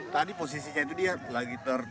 tadi posisinya itu dia lagi ter